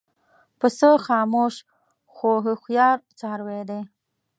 پسه خاموش خو هوښیار څاروی دی.